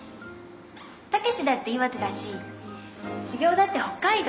武だって岩手だし茂夫だって北海道。